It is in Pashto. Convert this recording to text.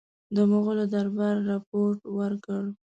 د مغولو دربار رپوټ ورکړ.